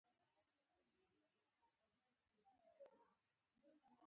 د چهارمغز د ونو ترمنځ فاصله څومره وي؟